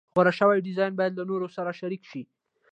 غوره شوی ډیزاین باید له نورو سره شریک شي.